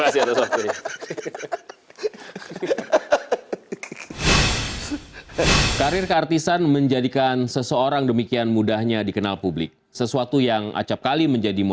saya aja enggak tahu apakah lagi nt